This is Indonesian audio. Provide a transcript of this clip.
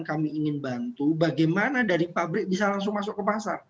kami ingin bantu bagaimana dari pabrik bisa langsung masuk ke pasar